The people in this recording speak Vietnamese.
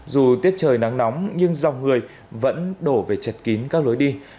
dù tiết trời nắng nóng nhưng dòng người vẫn đổ về chật kín các lối đi